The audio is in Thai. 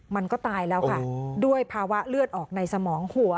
มันก็ตายแล้วค่ะด้วยภาวะเลือดออกในสมองหัว